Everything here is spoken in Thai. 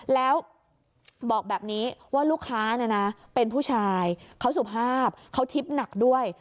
แล้วบอกแบบนี้ว่าลูกค้าเนี่ยนะเป็นผู้ชายเขาสุภาพเขาทิพย์หนักด้วย